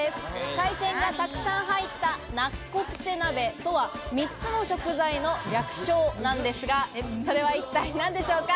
海鮮がたくさん入ったナッコプセ鍋とは３つの食材の略称なんですが、それは一体何でしょうか？